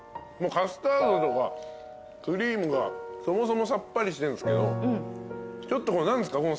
もうカスタードとかクリームがそもそもさっぱりしてるんですけどちょっとこの何ですか？